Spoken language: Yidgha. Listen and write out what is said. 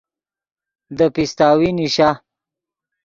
دے پیستاوی نیشا